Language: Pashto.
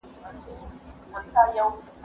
زه سپينکۍ مينځلي دي!؟